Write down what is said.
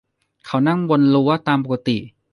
เขานั่งบนรั้วตามปกติ